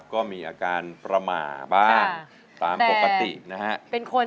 เราเกิดมาใช้เป็น